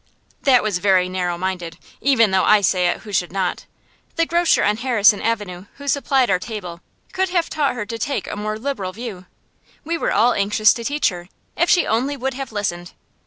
That was very narrow minded, even though I say it who should not. The grocer on Harrison Avenue who supplied our table could have taught her to take a more liberal view. We were all anxious to teach her, if she only would have listened.